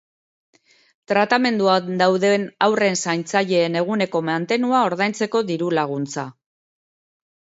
Tratamenduan dauden haurren zaintzaileen eguneko mantenua ordaintzeko diru-laguntza.